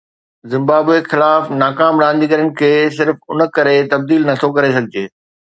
Zimbabwe خلاف ناڪام رانديگرن کي صرف ان ڪري تبديل نٿو ڪري سگهجي